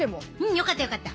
よかったよかった。